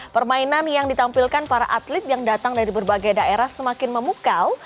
permainan yang ditampilkan para atlet yang datang dari berbagai daerah semakin memukau